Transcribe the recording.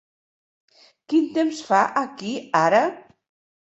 Quin temps fa aquí ara?